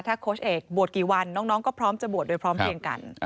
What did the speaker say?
โค้ชเอกบวชกี่วันน้องก็พร้อมจะบวชโดยพร้อมเพียงกัน